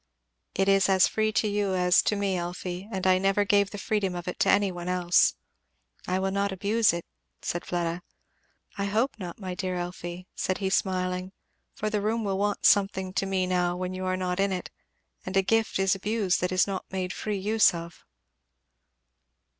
"It is as free to you as to me, Elfie; and I never gave the freedom of it to any one else." "I will not abuse it," said Fleda. "I hope not, my dear Elfie," said he smiling, "for the room will want something to me now when you are not in it; and a gift is abused that is not made free use of."